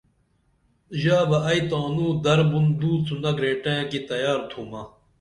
ژا بہ ائی تانوں در بُن دو څُونہ گریٹیئں کی تیار تُھمہ